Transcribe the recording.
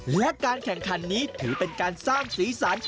และการแข่งขันนี้ถือเป็นการสร้างสีสัน